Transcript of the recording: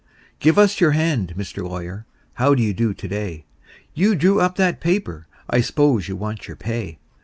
"GIVE US YOUR HAND, MR. LAWYER: HOW DO YOU DO TO DAY?" You drew up that paper I s'pose you want your pay.